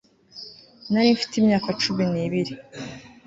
Nari mfite imyaka cumi nibiri